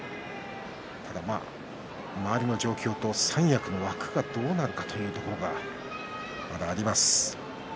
ただ周りの状況と三役の枠がどうなるかというところがまだあります。